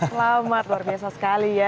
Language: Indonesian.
selamat luar biasa sekali ya